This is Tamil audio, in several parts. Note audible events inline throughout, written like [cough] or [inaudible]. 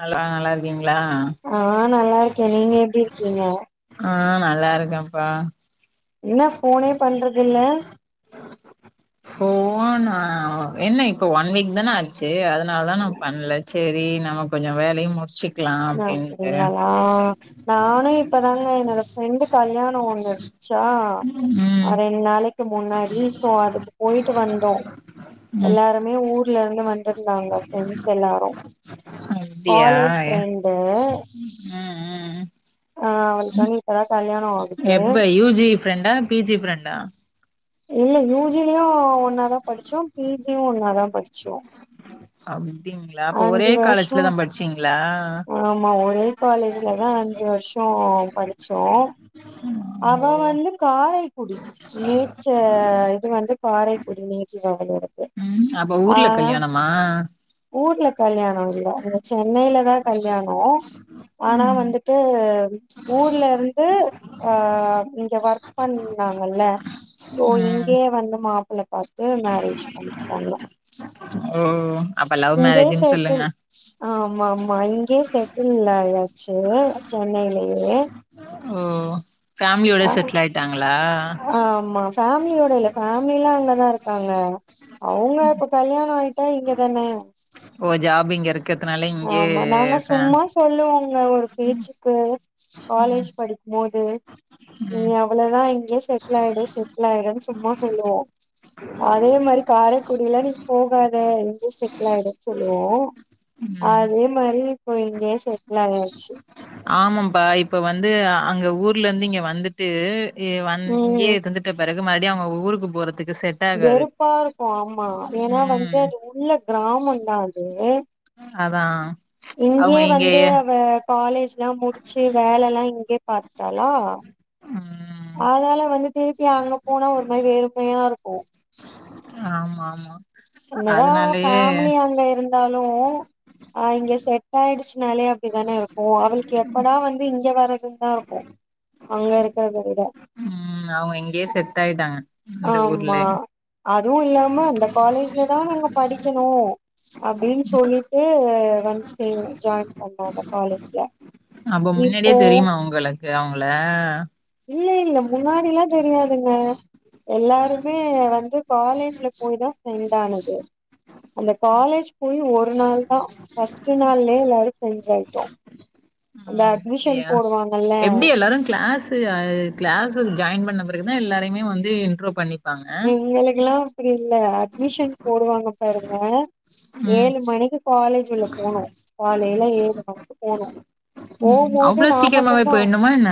ஹலோ நல்லா இருக்கீங்ளா ஆ நல்லா இருக்கே நீங்க எப்டி இருக்கீங்க ஆ நல்லா இருக்கேன்ப்பா என்னா போனே பண்றது இல்ல போனா என்ன இப்ப ஒன் வீக்தான ஆகு ச்சு அதனால தா நா பண்ல செரி நம்ம கொஞ்சோ வேலை முடிச்சுட் ந தெரிங்களலா நானு இப்பதாங்க என்னோட ஃப்ரெண்டு கல்யாணோ ஒண்ணு இருச்சா ம் அ ரெண்ட் நாளைக் கு முன்னாடி சோ அதுக்கு போயிட்டு வந்தோ ம் எல்லாருமே ஊர்ல இருந்து வந்திருந்தாங்க ஃப்ரெண்ட்ஸ் எல்லாரு அப்டியா காலேஜ் ஃப்ரெண்டு ம் ஆ அவளுக்கு ம் வந்து இப்பதா கல்யாணோ ஆகுது எப்ப யூ ஜி ஃப்ரெண்டா பி ஜி ஃப்ரெண்டா இல்ல யூஜிலியு ஒன்னா தா படிச்சோ பிஜியு ஒன்னா தா படிச்சோ அப்டிங்ளா அப்போ ஒரே அஞ்சு வருஷோ காலேஜ்ல தா படிச்சீங்ளா ஆமா ஒரே காலேஜ்ல தா அஞ்சு வர்ஷோ படிச்சோ ஓ அவ வந்து காரைக்குடி நேச்சர் இது வந்து காரைக்குடி நேட்டிவ் அவளோடது அப்போ ஊர்ல ஆனா கல்யாணமா ஊர்ல கல்யாணோ இல்ள சென்னையில தா கல்யாணோ ஆனா ம் வந்துட்டு ஊர்ல இருந்து அ இங்க ஒர்க் பண்ணாங்கல்ல சோ ம். இங்கே வந்து மாப்பிள்ள பாத்து மேரேஜ் பண்ணிக்கிட்டாங்க ஓ அப்ப லவ் மேரேஜுன் சொல்லுங்க ஆமாமா இங்கே செட்டில் ஆயாச்சு சென்னைலியே ஃபேம்லியோட செட்ல் ஆய்ட்டாங்ளா ஃபேம்லியோட இல்ல ஃபேம்லில்லா அங்கதா இருக்காங்க அவங்க இப்ப கல்யாணோ ஆய்ட்டா இங்கதான ஓ ஜாப் இங்க இருக் ஆமா நானு சும்மா சொல்லுவாங்க ஒரு பேச்சுக் கு காலேஜ் படிக்கும்போது நீ ம் அவளோதா இங்க யே செட்ல் ஆய்டுவ செட்ல் ஆய்டுவன் சும்மா சொல்லுவோ அதே மாரி காரக்குடிலா நீ போகாத இங்கயே செட்ல் ஆய்டுன் சொல்லுவோ ம் அதே மாரி இப்போ இங்கயே செட்ல் ஆயாச்சு ஆமம்ப்பா இப்ப வந்து அ அங்க ஊர்லர்ந்து இங்க வந்துட் டு எ வந் ம் இங்கயே இருந்துட்ட பெறகு மறுப்டி அவுங்க ஊருக்கு போறத்துக்கு செட் ஆகாது வெறுப்பா இருக்கு ஆமா ஏனா வந்து ம் அது உள்ள கிராமந்தா அது அ அதா இங்கயே வந்து அவ காலேஜ்லா முடிச்சு வேலல்லா இங்கயே பாத்துட்டாளா ம் அதுனால வந்து திருப்பி அங்க போனா ஒரு மாரி வெறுமையா இருக்கு ஆமாமா என்னதா அவ ஃபேம்லி அங்க இருந்தாலு ஆ இங்க செட் ஆய்டுச்னாலே அப்டிதான இருக்கு அவளுக்கு எப்படா வந்து இங்க வரதுந்தா இருக்கு அங்க இருக்கறத விட ம் அவங்க இங்கயே செட் ஆய்ட்டாங்க ஆமா அதுவு இல்லாம இந்த காலேஜ்லதா நாங்க படிக்கணு அப்டின் சொல்லிட்டு வந் சேர்வனே ஜாய்ன் பண்ணா அந்த காலேஜ்ல அப்ப முன்னாடியே இப்போ தெரியுமா கு அவங்கள இல்ல இல்ல முன்னாடில்லா தெரியாதுங்க எல்லாருமே வந்து காலேஜ்ல போய்தா ஃப்ரெண்டானது அந்த காலேஜ் போய் ஒரு நாள்தா ஃபஸ்ட்டு நாள்லே எல்லாரு ஃப்ரெண்ட்ஸ் ஆய்ட்டோ ஆ அந்த அட்மிஷன் அப்டியா போடுவாங்கல்ல எப்டி எல்லாரு க்ளாஸ் து அ க்ளாஸுல் ஜாய்ன் பண்ண பிறகுதா எல்லாரைமே வந்து இன்ட்ரோ பண்ணி எங்களுக்குலா [unintelligible] இல்ல அட்மிஷன் போடுவாங்க பாருங்க ம் ஏழு மணிக்கு காலேஜ் உள்ள போனோ காலைல ஏழு மணிக்கு போனோ ம் போம்போது அவ்ளோ நா சீக்கிரமாவே மட்டுந்தா போயிட்ணுமா என்ன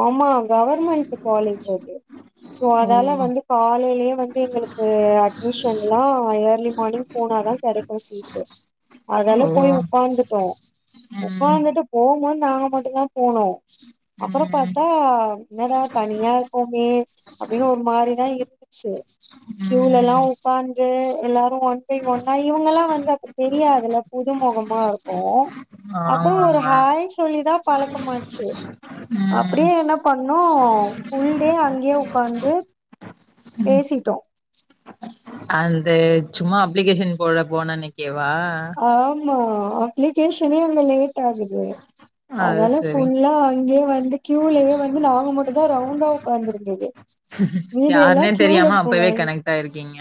ஆமா கவர்மெண்ட்டு காலேஜ் அது சோ ஓ அதால வந்து காலைலே வந்து எங்களுக்கு அட்மிஷன் எல்லா இயர்லி மார்னிங் போனாதா கெடைக்கு சீட்டு அதுனால ஓ போய் உக்காந்துட்டோ ம் உக்காந்துட்டு போம்போத் நாங்க மட்டுந்தா போனோ அப்பறோ ம் பாத்தா என்னடா தனியா இர்க்கோமே அப்டினு ஒரு மாரிதா இரு ந்ச்சு க்யூலெல்லா ம் உக்காந்து எல்லாரு ஒன் பை ஒன்னா இவங்கல்லா வந்து அப்ப தெரியாதுல்ல புது மொகமா இருக்கு ஆமா அப்பறோ ஒரு ஆமா ஹாய் சொல்லிதா பழக்கமாச்சு ம் அப்டியே என்ன பண்ணோ ஃபுல்டே அங்கயே உக்காந்து ம் பேசிட்டோ அந்த சும்மா அப்ளிகேஷன் போட போன அன்னைக்கேவா ஆமா அப்ளிகேஷனே லேட் ஆகுது அது அதால சரி ஃபுல்லா அங்கியே வந்து க்யூலயே வந்து நாங்க மட்டுதா ரவுண்ட்டா உக்காந்திருந்தது மீதியெல்லா யாருனே க்யூல தெரியாம அப்பவே போனாங்க கனெக்ட் ஆயிருக்கீங்க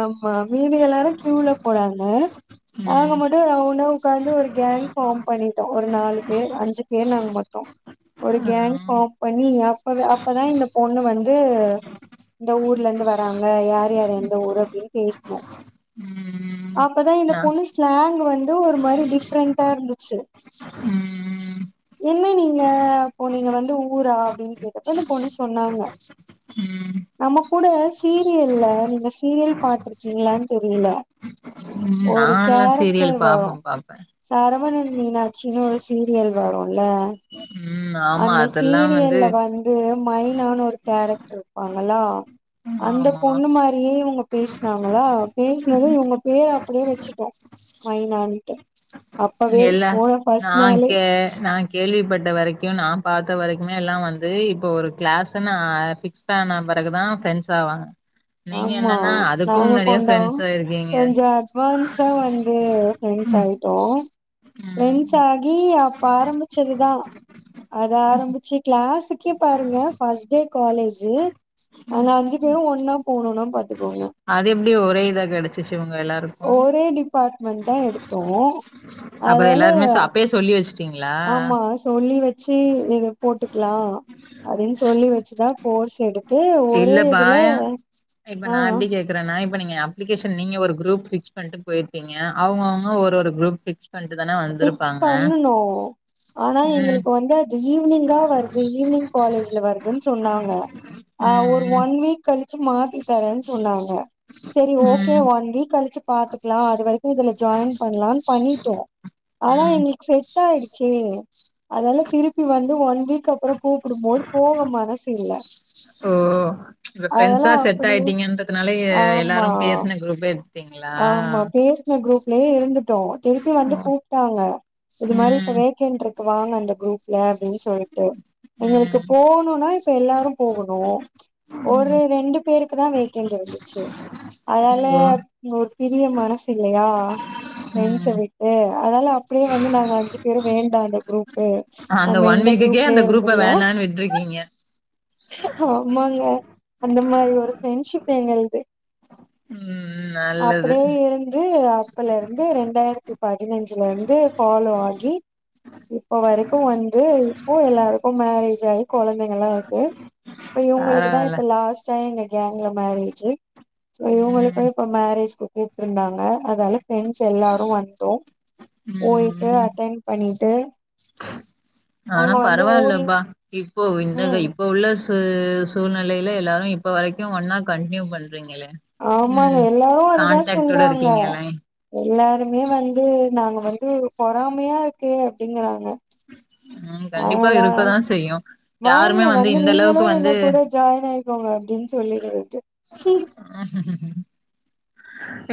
ஆமா மீதியெல்லாரு க்யூல கோடாங்க அவ்ங்க ம் மட்டு ரவுண்டா உக்கார்ந்து ஒரு கேங் ஃபாம் பண்ணிட்டோ ஒரு நாலு பேர் அஞ்சு பேர் நாங்க மொத்தோ ஒரு ஆ கேங் ஃபாம் பண்ணி அப்பவெ அப்பதா இந்த பொண்ணு வந்து இந்த ஊர்லர்ந்து வராங்க யார் யார் எந்த ஊரு அப்டின் பேசுனோ ம் ம் அப்பதா இந்த நா பொண்ணு ஸ்லாங் வந்து ஒரு மாரி டிஃப்ரெண்ட்டா இருந்துச்சு ம் ம் என்ன நீங்க அப்ப நீங்க வந்து ஊரா அப்டின் கேட்டப்ப இந்த பொண்ணு சொன்னாங்க ம் நம்ம கூட சீரியல்ல நீங்க சீரியல் பாத்ருக்கீங்ளான் தெரில ம் ஒரு நான்லா சீரியல் கேரக்டர் வரு பாப்பே பாப்பே சரவணன் மீனாட்சின் ஒரு சீரியல் வருல ம்மா அந்த சீரியல்ல வந்து மைனானு ஒரு கேரக்டர் இருப்பாங்களா அந்த ஆமா பொண்ணு மாரியே இவுங்க பேஸ்னாங்களா பேஸ்னது இவுங்க பேரு அப்டியே வெச்சிட்டோ மைனான்ட்டு அப்பவே போன ஃபஸ்ட் நாளே ஹே நா இங் கேள்விப்பட்ட வரைக்கு நா பாத்த வரைக்குமே எல்லா வந்து இப்போ ஒரு கிளாஸ்சுனா ஃபிக்ஸ் ஸான பெறகுதா ஃப்ரண்ட்ஸ் ஆவாங்க நீங்க ஆமா என்னன்னா அதுக்கு நாங்க முன்னாடியே கொண்டதா ஃப்ரெண்ட்ஸா இருக்கீங்க கொஞ்சோ அட்வான்ஸா வந்து ஃப்ரெண்ட்ஸ் ஆய் டோ ஃப்ரெண்ட்ஸ் ம் ஆகி அப்ப ஆரமிச்சதுதா அது ஆரம்பிச்சு க்ளாஸ்சுக்கே பாருங்க ஃபஸ்ட்டே காலேஜ் நாங்க அஞ்சு பேரு ஒண்ணா போனோனா பாத்துக்கோங்க அது எப்டி ஒரே இதா கெடைச்சிச்சு ஒங்க எல்லாருக்கு ஒரே டிபார்ட்மெண்ட் தா எடுத்தோ அப்ப அதால எல்லாருமே சா அப்பே சொல்லி வெச்சி ஆமா சொல்லி வெச் ச்சி நீங்க போட்டுக்லா அப்டின் சொல்லி வெச்சுதா கோர்ஸ் எடுத் து ஒரே இல்லப்பா இதுல ஆ க்குறனா இப்ப நீங்க அப்ளிகேஷன் நீங்க ஒரு குரூப் ஃபிக்ஸ் பண்ட்டு போய்ருப்பீங்க அவ்ங்க அவ்ங்க ஒரு ஒரு குரூப் ஃபிக்ஸ் ஃபிக்ஸ் பண்ணுனோ ஆனா ம் எங்ளுக்கு வந்து அது ஈவ்னிங்கா வருது ஈவ்னிங் காலேஜ்ல வருதுன் சொன்னாங்க ஆ ஒரு ம் ஒன் வீக் கழிச்சி மாத்தி தரேன் சொன்னாங்க செரி ஓகே ம் ஒன் வீக் கழி ச்சி பாத்துக்லா அது வரைக்கோ இதுல ஜாய்ன் பண்லான் பண்ணிட்டோ ம் ஆனா ம் எங்களுக்கு செட் ஆயிடுச்சே அதால திருப்பி வந்து ஒன் வீக் அப்பறொ கூப்புடும் போது போக மனசில்ல ஓ ஓ இப்ப ஃப்ரெண்ட்ஸா செட் அப்டியே ஆயிட்டிங்கன்றதுனால எ எல்லாரு ஆமா பேசின குரூப்பே எடுத் ஆமா பேஸ்ன குரூப்லயே இருந்துட்டோ திருப்பி ஓ வந்து கூப்ட்டாங்க இது மாரி இப்ப ம் வேகென்ட்ருக்கு வாங்க அந்த குரூப்ல அப்டின் சொல்ட்டு எங்களுக்கு ம் போனூனா இப்ப எல்லாரு போகனூ ஒரு ம் ரெண்டு பேருக்கு தா வேகென்ட் இருந்துச்சி அதால ஓ உங்களுக் பிரிய மனசில்லயா பிரண்ஸ்ச ம் விட்டு அதலா அப்டியே வந்து நாங்க அஞ்சு பேரும் வேண்டா அது குரூப்பு அந்த நம்ம ஒன் இந்த வீக்குக்கே குரூப்லயே அந்த குரூப்ப இருந்துர்லா வேணான்னு விட்ருக்கீங்க ஆமாங்க அந்த மாரி ஒரு ஃப்ரெண்ட்ஷிப் எங்கள்து உம்ம்ஆ அப்டியே இருந்து அப்பல்ல இருந்து ரெண்டாயிரத்தி பதினஞ்சுல இருந்து ஃபாலோ ஆகி இப்ப வரைக்கோ வந்து இப்போ எல்லாருக்கும் மேரேஜ் ஆகி குழந்தைங்கல்லா இருக்கு இப்ப இவுங்களுக்கு தா பரவால்ல இப்ப லாஸ்ட்டா எங்க கேங்குல மேரேஜு இவுங்களுக்கு ம் இப்ப மேரேஜ்க்கு கூப்ட்டு இருந்தாங்க அதால ஃபிரெண்ட்ஸ் எல்லாரும் வந்தோ போயிட்டு ம் ம் அட்டன் பண்ணிட்டு ஆனா அங்க வந்து ஊர்ல பரவால்லப்பா இப்போ இந்த ம் இப்போ உள்ள ப்பு சூழ்நிலையில எல்லாரு இப்ப வரைக்கும் ஒன்னா கண்டினியூ பண்றீங்களே ஆமாங்க ம் எல்லாரு அதுதா கான்டாக்டோட சொல்றாங்க இருக்கீங்கல்ல எல்லாருமே வந்து நாங்க வந்து பொறாமையா இருக்கு அப்டிங்றாங்க உம் கண்டிப்பா இருக்கதா செய்யு வாங்க யாருமே வந்து இந்த அளவுக்கு நீங்களும் எங்க வந்து கூட ஜாய்னாய்க்கோங்க அப்டின் சொல்லிரது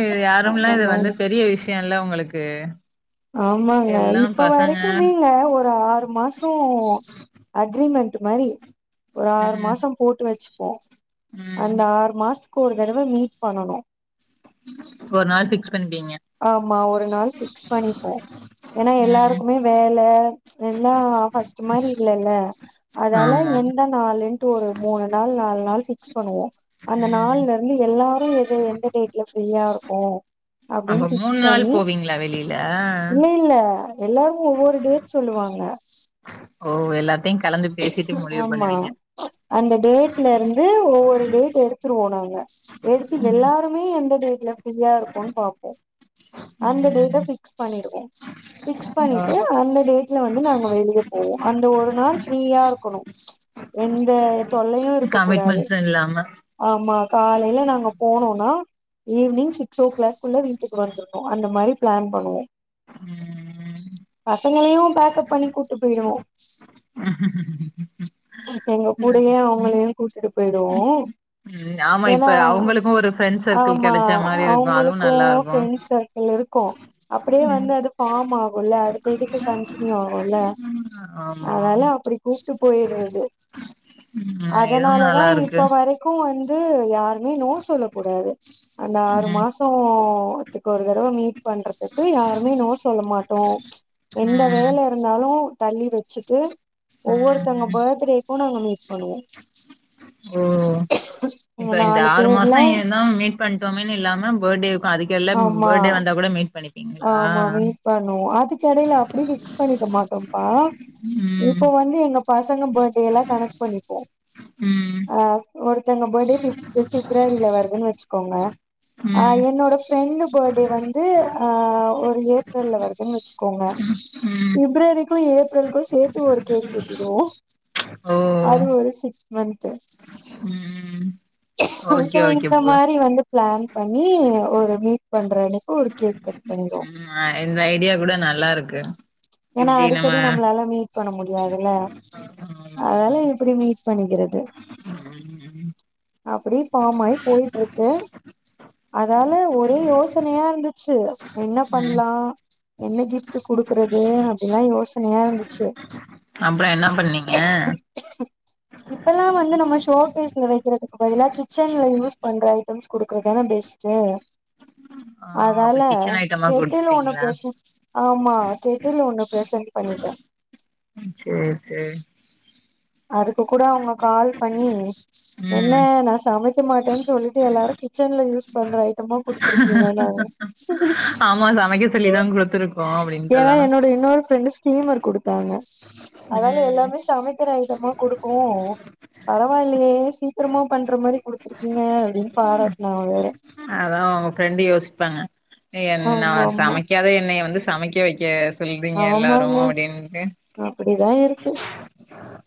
இது அந்த யாரும்ல இது மாரி வந்து பெரிய விஷ் யோல்ல ஒங்களுக்கு ஆமாங்க இப்ப வரைக்குமேங்க ஒரு ஆறு மாச சோம் அக்ரிமெண்ட்டு மாரி ஒரு ஆறு ம் மாசம் போட்டு வச்சுப்போம் ம் அந்த ஆறு மாசத்துக்கு ஒரு தடவ மீட் பண்ணுனும் ஒரு நாள் ஃபிக்ஸ் பண்ணிப்பீங்க ஆமா ஒரு நாள் ஃபிக்ஸ் பண்ணிப்போ ஏனா ம் எல்லாருக்குமே வேல எல்லா ஃபஸ்ட்டு மாரி இல்லல்ல அதால ஆமா எந்த நாளுன்ட்டு ஒரு மூணு நாள் நாலு நாள் ஃபிக்ஸ் பண்ணுவோ அந்த ம் நாள்லருந்து எல்லாரும் எது எந்த டேட்ல ஃப்ரீயாருக்கோ அப்டின் அப்ப ஃபிக்ஸ் மூணு நாள் பண்ணி போவீங்களா வெளியில இல்ல இல்ல எல்லாருமே ஒவ்வொரு டேட் சொல்லுவாங்க ஓ எல்லாத்தையும் கலந்து பேசிட்டு முடிவு ஆமா பண்ணுவீங்க அந்த டேட்லருந்து ஒவ்வொரு டேட் எடுத்துருவோ நாங்க எடுத்து ம் எல்லாருமே எந்த டேட்ல ஃப்ரீயா இருக்கோன் பாப்போ அந்த டேட்ட ம் ஃபிக்ஸ் பண்ணிருவோ ஃபிக்ஸ் ஆ பண்ணிட்டு அந்த டேட் ல வந்து நாங்க வெளிய போவோ அந்த ஒரு நாள் ஃப்ரீயாருக்குணும் எந்த தொல்லையு இருக்கக்கூடாது கமிட்மெண்ட்ஸு இல்லாம ஆமா காலைல நாங்க போனோன்னா ஈவ்னிங் சிக்ஸ்ஸோ க்ளாக்குள்ள வீட்டுக்கு வந்துரணு அந்த மாரி ப்ளான் பண்ணுவோ ம் பசங்களையும் பேக்கப் பண்ணி கூட்டு போயிடுவோ இப்ப எங்க கூடயே அவுங்களையும் கூட்டிட்டு பேய்டுவோ ம் ஆமா இப்ப அவுங்களுக்கும் ஒரு ஃப்ரெண்ட் சர்க் ஆமா அவுங்களுக்கு ஃபிரண்ட்ஸ் [unintelligible] சருக்குள் இருக்கும் அப்டியே ம் வந்து அது ஃபாமாகுல்ல அடுத்த இதுக்கு கன்ட்டினியூ ஆகுல்ல ஆமா அதனால அப்டி கூப்ட்டு போயிறது ம் இதுவு அதனாலதா நல்லா இப்ப இருக்கு வரை க்கும் வந்து யாருமே நோ சொல்லக் கூடாது அந்த ஆறு ம் மாசோம் துக்கு ஒரு தடவ மீட் பண்றத்துக்கு யாருமே நோ சொல்ல மாட்டோம் எந்த ம் வேல இருந்தாலு தள்ளி வெச்சுட்டு ம் ஒவ்வொருத்தங்க ம் பர்த்டேக்கூ நாங்க மீட் பண்ணுவோ ஓ இப்ப எங்க இந்த நாலு ஆறு பேர்ல மாசொ எல்லா மீட் பண்ட்டோமேன் இல்லாம பட்டேக்கூ அதுக்கெல்லாம் ஆமா பட்டே வந்தா கூட மீட் பண்ணிப் ஆமா மீட் பண்ணுவோ அதுக்கெடைல அப்பிடி ஃபிக்ஸ் பண்ணிக்க மாட்டோம்ப்பா ம் இப்ப வந்து எங்க பசங்க பட்டேலா கணக் பண்ணிப்போ ம் ஆ ஒருத்தங்க பட்டே ஃபிப் [unintelligible] ரரில வருதுன் வச்சுக்கோங்க அ ம் என்னோட ஃப்ரெண்ட்டு பட்டே வந்து அ ஒரு ஏப்ரல்ல வருதுன் வச்சுக்கோங்க ம் பிப்ரவரிக்கும் ஏப்ரல்க்கும் சேத்து ஒரு கேக் வெட்டிடுவோ ஓ அது ஒரு சிக் மந்த்து ம் ஓகே அதான் ஓகே இந்த ப்ரோ மாரி வந்து ப்ளான் பண்ணி ஒரு மீட் பண்றனக்கி ஒரு கேக் கட் பண்ணிருவோ அ இந்த ஐடியா கூட நல்லாருக்கு ஏனா அடிக்கடி நம்ளால மீட் பண்ண முடியாதுல்ல ஆமா ஆமா அதனால இப்பிடி மீட் பண்ணிக்கிறது ம் அப்பிடி ஃபாமாயி போயிட்ருக்கு அதால ஒரே யோசனையாருந்துச்சு என்ன ம் பண்லா என்ன கிஃப்ட் குடுக் கது அப்டின்னா யோசனையா இருந்துச்சு அப்றோ என்ன பண்ணீங்க இப்பல்லா வந்து நம்ம ஷோகேஸ்ல வைக்கிறதுக்கு பதிலா கிச்சன்ல யூஸ் பண்ற ஐட்டம்ஸ் குடுக்குறதானே பெஸ்ட்டு ஆ அதால அப்ப கிச்சன் ஐட்டமா கெட்டில் ஒன்னு குடுத்துட்டீங்களா ப்ரசன் ஆமா கெட்டில் ஒண்ணு ப்ரசென்ட் பண்ணிட்டே ம் சேரி சேரி அதுக்கு கூட அவுங்க கால் பண்ணி என்ன ம் நா சமைச் க்க மாட்டேன் சொல்லிட்டு எல்லாரு கிச்சன்ல யூஸ் பண்ற ஐட்டமா குடுத்துருகீங்க ஆமா சமைக்க சொல்லிதா குடுத்துருக்கோ அப்டின் ஏன்னா சொல்லனு என்னோட இன்னொரு ஃப்ரெண்ட்டு கீமர் குடுத்தாங்க அதால ம் எல்லாமே சமை க்கிர ஐட்டமா குடுக்கவு பரவால்லையே சீக்கரமா பண்ற மாரி குடு துருக்கீங்க அப்டின்னு பாராட்னாங்க வேற அதா உங்க ஃப்ரெண்ட்டு யோசிப்பாங்க நீ என்னா ஆமா ஆமா சமைக் க்காத என்னைய வந்து சமைக்க வைக்க சொல்றீங்க எல்லாரு அப்டின்ட்டு அப்படிதா இருக்கு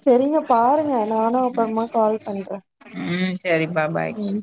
செரிங்க பாருங்க நானு அப்பறமா கால் பண்றே ம் செரிப்பா பாய் ம்